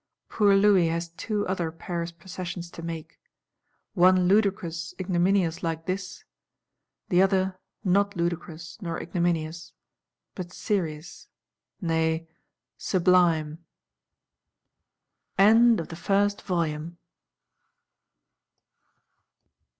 Poor Louis has Two other Paris Processions to make: one ludicrous ignominious like this; the other not ludicrous nor ignominious, but serious, nay sublime. END OF THE FIRST VOLUME.